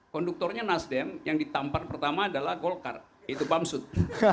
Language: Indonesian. konduktornya nasdem yang ditampar pertama adalah golkar itu bamsud